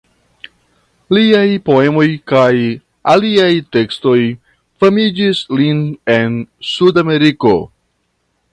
Liaj poemoj kaj aliaj tekstoj famigis lin en Sudameriko.